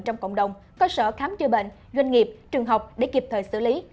trong cộng đồng cơ sở khám chữa bệnh doanh nghiệp trường học để kịp thời xử lý